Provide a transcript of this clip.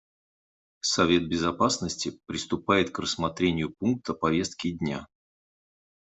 Совет Безопасности приступает к рассмотрению пункта повестки дня.